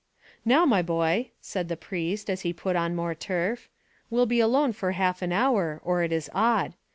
"Now, my boy," said the priest, as he put on more turf, "we'll be alone for half an hour, or it is odd.